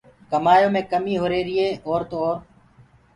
ڪمآيو مي ڪميٚ هُريهريٚ ئي اور تو اور